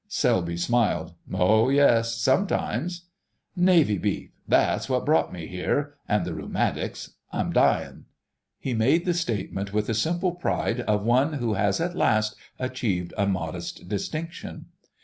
Selby smiled. "Oh yes, sometimes." "Navy beef—that's what brought me here—an' the rheumatics. I'm dyin'." He made the statement with the simple pride of one who has at last achieved a modest distinction.